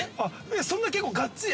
そんな結構がっつり。